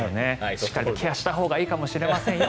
しっかりケアしたほうがいいかもしれませんよ。